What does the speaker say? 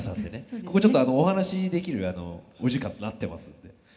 ここちょっとお話しできるお時間となってますんで。